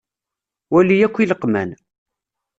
Wali akk ileqman.